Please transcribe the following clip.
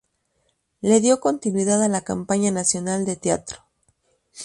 Le dio continuidad a la Compañía Nacional de Teatro.